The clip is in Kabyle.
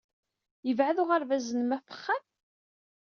Yebɛed uɣerbaz-nnem ɣef wexxam?